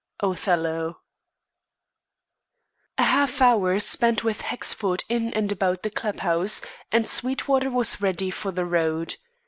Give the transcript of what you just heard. Othello. A half hour spent with Hexford in and about the club house, and Sweetwater was ready for the road.